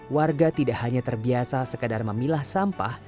warga tidak hanya terbiasa sekadar memilah sampah